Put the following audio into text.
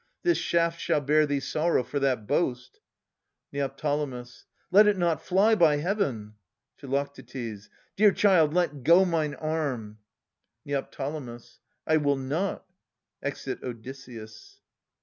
This shaft shall bear thee sorrow for that boast. Neo. Let it not fly, by Heaven ! Phi. Dear child, let go Mine arm ! Neo. I will not. [Exit Odysseus.